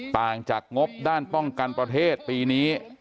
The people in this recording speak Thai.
ต่างจากงบด้านป้องกันประเทศปีนี้